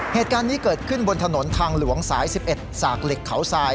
เหตุการณ์นี้เกิดขึ้นบนถนนทางหลวงสาย๑๑สากเหล็กเขาทราย